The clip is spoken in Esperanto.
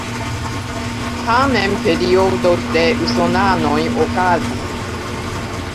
Tamen periodo de usonanoj okazis.